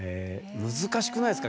難しくないですか？